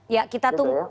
ya kita tunggu